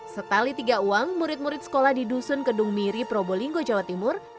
setali tiga uang murid murid sekolah di dusun kedung miri probolinggo jawa timur